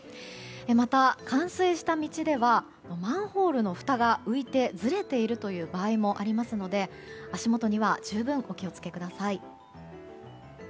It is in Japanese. また、冠水した道ではマンホールのふたが浮いてずれているという場合もありますので足元には十分お気を付けください。